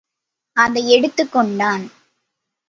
அதை எடுத்துக் கொண்டான்.